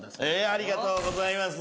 ありがとうございます。